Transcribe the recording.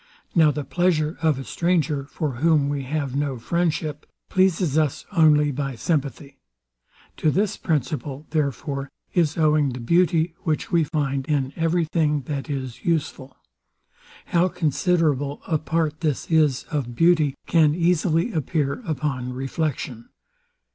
Now the pleasure of a stranger, for whom we have no friendship, pleases us only by sympathy. To this principle, therefore, is owing the beauty, which we find in every thing that is useful. How considerable a part this is of beauty can easily appear upon reflection.